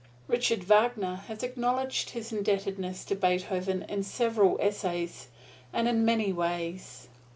Richard Wagner has acknowledged his indebtedness to Beethoven in several essays, and in many ways.